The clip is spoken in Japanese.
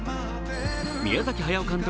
宮崎駿監督